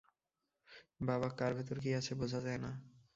বাবা, কার ভেতর কি আছে, বুঝা যায় না।